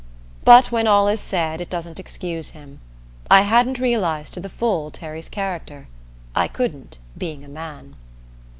But when all is said, it doesn't excuse him. I hadn't realized to the full Terry's character I couldn't, being a man.